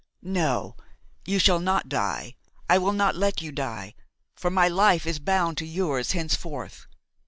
No, you shall not die; I will not let you die, for my life is bound to yours henceforth.